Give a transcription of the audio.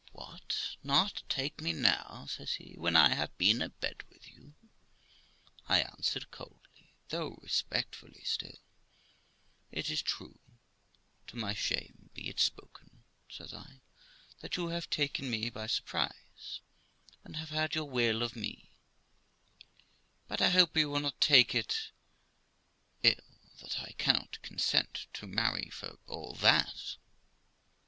'What! not take me now', says he, 'when I have been a bed with you!' I answered coldly, though respectfully still, 'It is true, to my shame be it spoken', says I, 'that you have taken me by surprise, and have had your will of me; but I hope you will not take it ill that I cannot consent to marry for all that.